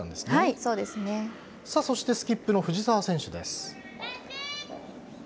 そしてスキップの藤澤選手です。